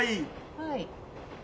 はい。